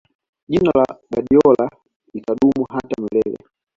jina la guardiola litadumu hata milele